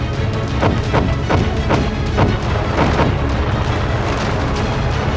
aku harus mencari tempat yang lebih aman